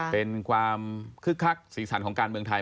เป็นความคึกคักสีสันของการเมืองไทย